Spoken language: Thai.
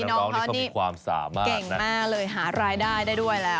น้องเขามีความสามารถเก่งมากเลยหารายได้ได้ด้วยแล้ว